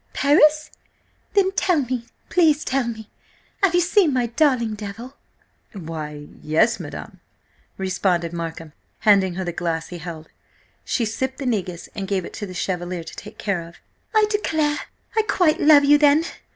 Paris? Then tell me–please, tell me–have you seen my darling Devil?" "Why, yes, madam," responded Markham, handing her the glass he held. She sipped the negus, and gave it to the Chevalier to take care of. "I declare, I quite love you then!"